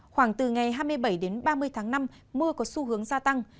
khoảng từ ngày hai mươi bảy đến ba mươi tháng năm mưa có xu hướng gia tăng